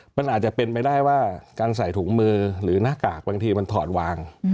มันอาจจะเป็นไปได้ว่าการใส่ถุงมือหรือหน้ากากบางทีมันถอดวาง